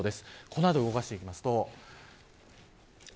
この後、動かしていきます。